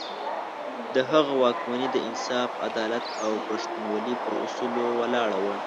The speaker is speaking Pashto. د هغه واکمني د انصاف، عدالت او پښتونولي پر اصولو ولاړه وه.